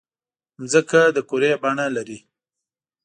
مځکه د کُرې بڼه لري.